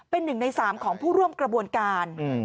เป็นหนึ่งในสามของผู้ร่วมกระบวนการ